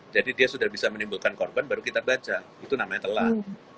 jadi dia sudah bisa menimbulkan korban baru kita baca itu namanya telah